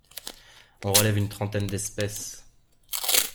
On relève une trentaine d'espèces.